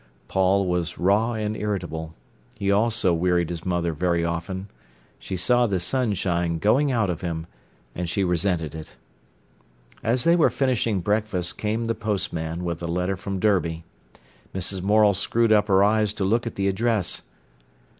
Paul was raw and irritable. He also wearied his mother very often. She saw the sunshine going out of him, and she resented it. As they were finishing breakfast came the postman with a letter from Derby. Mrs. Morel screwed up her eyes to look at the address.